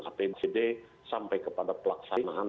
apbd sampai kepada pelaksanaan